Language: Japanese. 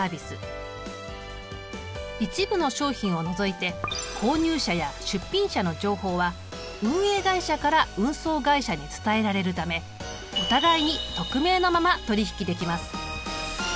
一部の商品を除いて購入者や出品者の情報は運営会社から運送会社に伝えられるためお互いに匿名のまま取り引きできます。